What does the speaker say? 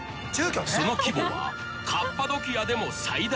［その規模は］